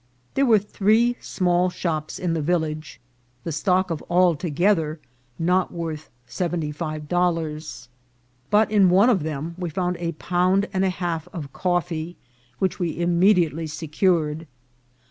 There were three small shops in the village, the stock of all together not worth seventy five dollars ; but in one of them we found a pound and a half of coffee, which we immediately secured.